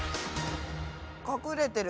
隠れてる。